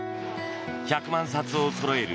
１００万冊をそろえる